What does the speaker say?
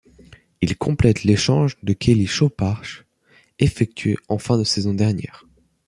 Il complète l'échange de Kelly Shoppach effectué en fin de saison dernière.